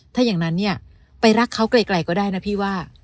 ถ้าอย่างนั้นเนี่ยไปรักเขาไกลก็ได้นะพี่ว่า